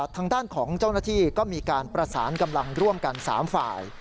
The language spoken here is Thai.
ทางด้านของเจ้าหน้าที่ก็มีการประสานกำลังร่วมกัน๓ฝ่าย